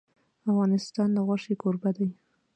افغانستان د غوښې کوربه دی.